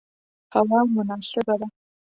هوا مناسبه ده